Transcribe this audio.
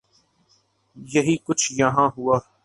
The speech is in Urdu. یہی کچھ یہاں ہوا۔